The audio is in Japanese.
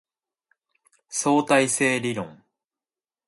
相対性理論